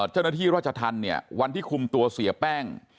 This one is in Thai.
เจ้าหน้าที่ราชธรรมเนี่ยวันที่คุมตัวเสียแป้ง